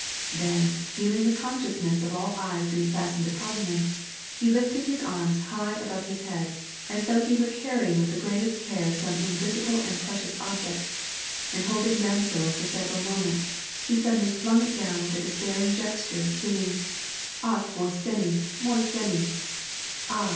Then feeling the consciousness of all eyes being fastened upon him, he lifted his arms high above his head, as though he were car rying with the greatest care some invisible and precious object, and holding them so for several moments, he suddenly flung it down with a despairing gesture, singing,— " Akh mi s^i, mol §^i."